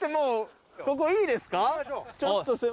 ここいいですか？